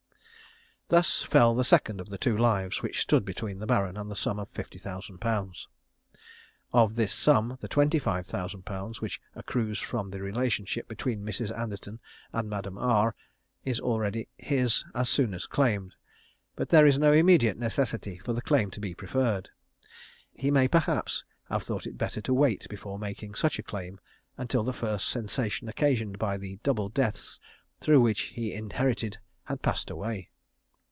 _ Thus fell the second of the two lives which stood between the Baron and the full sum of 50,000_l_. Of this sum the 25,000_l_. which accrues from the relationship between Mrs. Anderton and Madame R is already his as soon as claimed, but there is no immediate necessity for the claim to be preferred. He may perhaps have thought it better to wait before making such a claim until the first sensation occasioned by the double deaths through which he inherited had passed away.